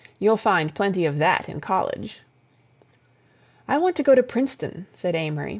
You'll find plenty of that in college." "I want to go to Princeton," said Amory.